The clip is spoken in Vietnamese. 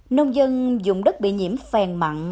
nông dân dùng đất bị nhiễm phèn mặn